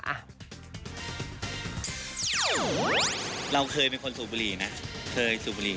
เราเคยเป็นคนสูบบุหรี่นะเคยสูบบุหรี่